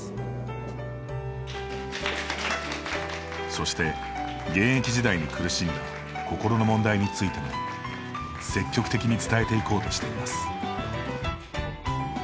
そして、現役時代に苦しんだ心の問題についても積極的に伝えていこうとしています。